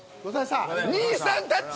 兄さんたち！